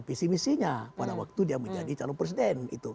pc pc nya pada waktu dia menjadi calon presiden